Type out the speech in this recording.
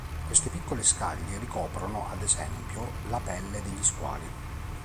Queste piccole scaglie ricoprono ad esempio la pelle degli squali.